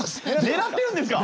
狙ってるんですか！？